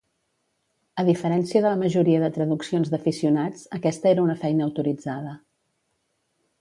A diferència de la majoria de traduccions d'aficionats, aquesta era una feina autoritzada.